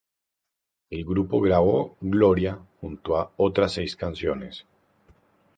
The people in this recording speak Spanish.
El grupo grabó "Gloria" junto a otras seis canciones.